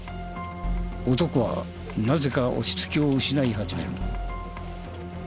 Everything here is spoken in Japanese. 男はなぜか落ち着きを失い始める。